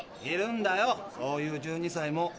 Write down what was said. いるんだよそういう１２歳も。